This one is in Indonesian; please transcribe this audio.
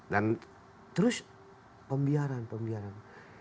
dan terus pembiaran pembiaran